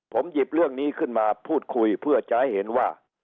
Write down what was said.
ผมหยิบเรื่องนี้ขึ้นมาพูดคุยเพื่อจะให้เห็นว่า